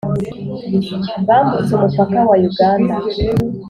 bambutse umupaka wa uganda